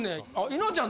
稲ちゃん